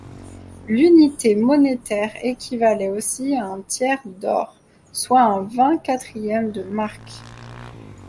L'unité monétaire équivalait aussi à un tiers d'öre, soit un vingt-quatrième de mark.